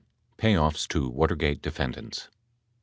Payoffs to Watergate Defendants 1.